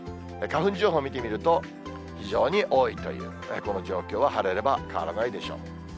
花粉情報、見てみると、非常に多いという、この状況は晴れれば変わらないでしょう。